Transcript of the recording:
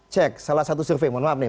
cek salah satu survei mohon maaf nih